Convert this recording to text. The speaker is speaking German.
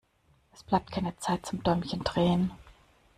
Es bleibt keine Zeit zum Däumchen drehen.